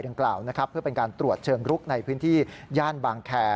กล่าวนะครับเพื่อเป็นการตรวจเชิงลุกในพื้นที่ย่านบางแคร์